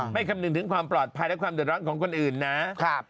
คำนึงถึงความปลอดภัยและความเดือดร้อนของคนอื่นนะ